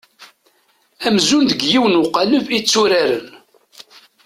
Amzun deg yiwen uqaleb i tturaren.